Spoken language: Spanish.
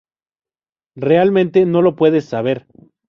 Realmente, no lo puedes saber.